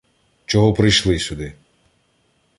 — Чого прийшли сюди?